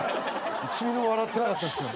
１ミリも笑ってなかったですよ